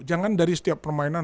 jangan dari setiap permainan